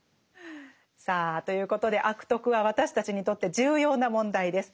さあということで「悪徳」は私たちにとって重要な問題です。